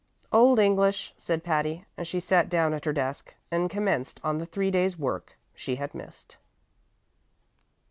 "Old English," said Patty, as she sat down at her desk and commenced on the three days' work she had missed.